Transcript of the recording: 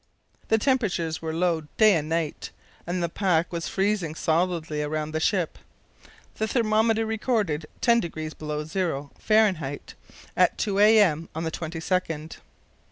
The temperatures were low day and night, and the pack was freezing solidly around the ship. The thermometer recorded 10° below zero Fahr. at 2 a.m. on the 22nd.